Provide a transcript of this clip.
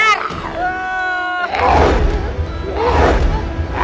kita lepaskan mereka